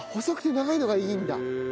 細くて長いのがいいんだ。